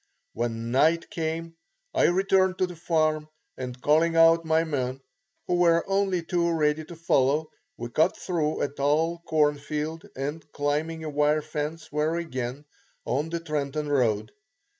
When night came, I returned to the farm and calling out my men, who were only too ready to follow, we cut through a tall corn field, and climbing a wire fence were again on the Trenton road.